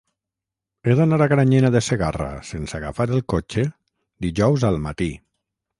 He d'anar a Granyena de Segarra sense agafar el cotxe dijous al matí.